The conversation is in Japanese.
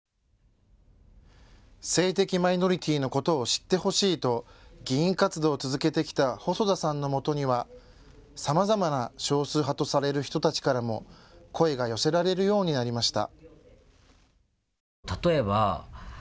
性的マイノリティーのことを知ってほしいと議員活動を続けてきた細田さんのもとにはさまざまな少数派とされる人たちからも声が寄せられるようになりました。